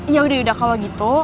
yaudah yaudah kalo gitu